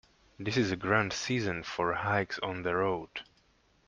This is a grand season for hikes on the road.